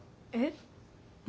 えっ？